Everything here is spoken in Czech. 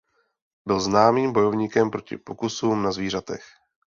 Byl známým bojovníkem proti pokusům na zvířatech.